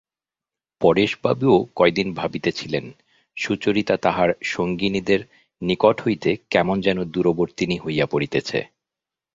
পরেশবাবুও কয়দিন ভাবিতেছিলেন, সুচরিতা তাহার সঙ্গিনীদের নিকট হইতে কেমন যেন দূরবর্তিনী হইয়া পড়িতেছে।